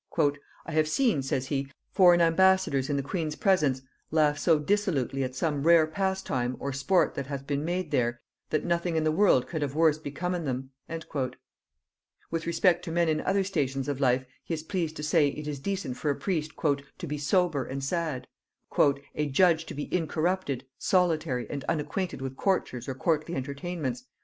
"I have seen," says he, "foreign ambassadors in the queen's presence laugh so dissolutely at some rare pastime or sport that hath been made there, that nothing in the world could have worse becomen them." With respect to men in other stations of life he is pleased to say, it is decent for a priest "to be sober and sad;" "a judge to be incorrupted, solitary, and unacquainted with courtiers or courtly entertainments...